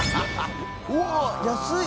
うわ安い！